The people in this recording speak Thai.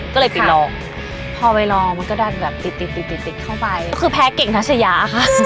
ก็เลยไปลองพอไปรอมันก็ดันแบบติดติดเข้าไปก็คือแพ้เก่งทัชยาค่ะ